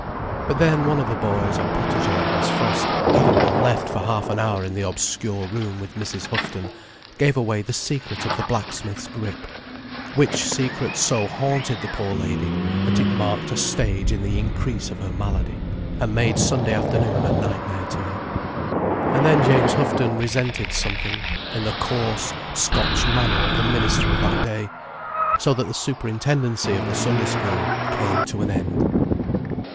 But then one of the boys, a protegé of Miss Frost, having been left for half an hour in the obscure room with Mrs. Houghton, gave away the secret of the blacksmith's grip, which secret so haunted the poor lady that it marked a stage in the increase of her malady, and made Sunday afternoon a nightmare to her. And then James Houghton resented something in the coarse Scotch manner of the minister of that day. So that the superintendency of the Sunday School came to an end.